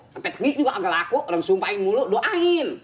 sampai tengik juga kagak laku orang sumpahin mulu doain